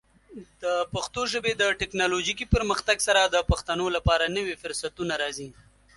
د پښتو ژبې د ټیکنالوجیکي پرمختګ سره، د پښتنو لپاره نوې فرصتونه راځي.